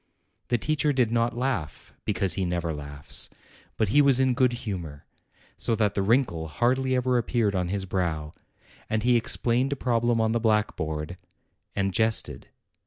The teacher did not laugh, because he never laughs; but he was in good humor, so that the wrinkle hardly ever appeared on his brow ; and he explained a problem on the blackboard, and jested.